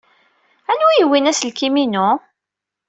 Anwa ay yewwin aselkim-inu?